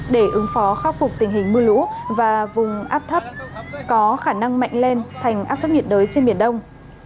để ứng phó khắc phục tình hình mưa lũ và vùng áp thấp có khả năng mạnh lên thành áp thấp nhiệt đới trên biển đông